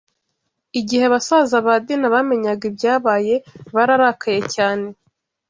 Igihe basaza ba Dina bamenyaga ibyabaye, bararakaye cyane